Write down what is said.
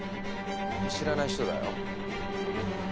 知らない人だよ。